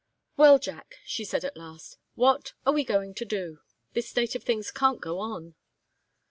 "Well, Jack," she said, at last, "what are we going to do? This state of things can't go on."